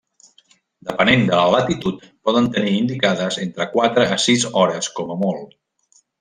Depenent de la latitud poden tenir indicades entre quatre a sis hores com a molt.